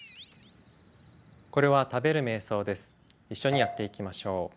これは一緒にやっていきましょう。